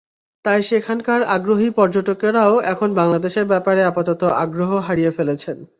তাই সেখানকার আগ্রহী পর্যটকেরাও এখন বাংলাদেশের ব্যাপারে আপাতত আগ্রহ হারিয়ে ফেলেছেন।